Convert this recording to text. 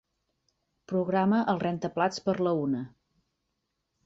Programa el rentaplats per a la una.